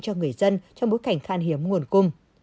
cho người dân trong bối cảnh khan hiếm nguồn cung